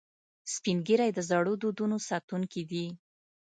سپین ږیری د زړو دودونو ساتونکي دي